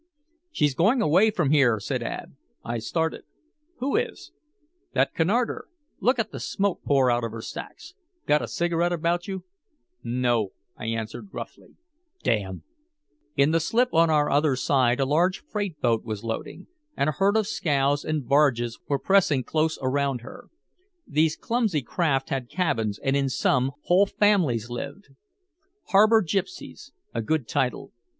"She's going away from here," said Ab. I started: "Who is?" "That Cunarder. Look at the smoke pour out of her stacks. Got a cigarette about you?" "No," I answered gruffly. "Damn." In the slip on our other side a large freight boat was loading, and a herd of scows and barges were pressing close around her. These clumsy craft had cabins, and in some whole families lived. "Harbor Gypsies." A good title.